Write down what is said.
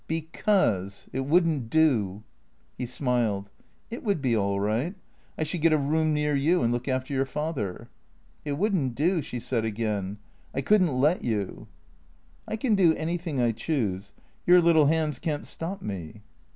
" Because — it would n't do." He smiled. " It would be all right. I should get a room near you and look after your father." " It would n't do," she said again. " I could n't let you." "I can do anything I choose. Your little hands can't stop me."